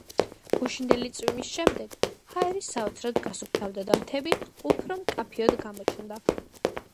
გუშინდელი წვიმის შემდეგ ჰაერი საოცრად გასუფთავდა და მთები უფრო მკაფიოდ გამოჩნდა.